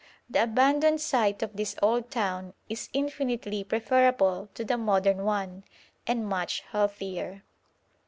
The abandoned site of this old town is infinitely preferable to the modern one, and much healthier.